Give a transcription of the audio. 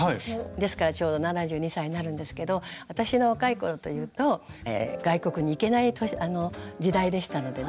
ですからちょうど７２歳になるんですけど私の若い頃というと外国に行けない時代でしたのでね